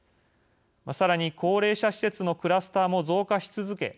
さらに高齢者施設のクラスターも増加し続け